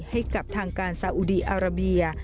ให้กับทางการสาอุดีอาราเบีย